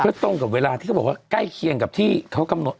ก็ตรงกับเวลาที่เขาบอกว่าใกล้เคียงกับที่เขากำหนด